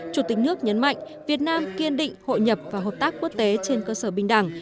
chủ tịch nước nhấn mạnh việt nam kiên định hội nhập và hợp tác quốc tế trên cơ sở bình đẳng